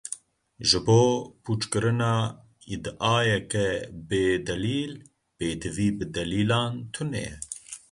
Ji bo pûçkirina îdiayeke bêdelîl, pêdivî bi delîlan tune ye.